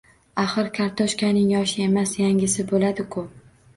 Axir, kartoshkaning yoshi emas, yangisi bo‘ladi-ku.